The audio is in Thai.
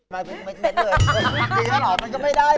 มายเม็ดด้วย